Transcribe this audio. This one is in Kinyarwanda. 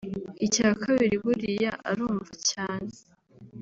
icya kabiri buriya arumva cyane